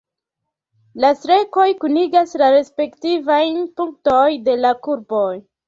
La strekoj kunigas la respektivajn punktojn de la kurboj.